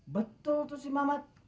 betul tuh si mamat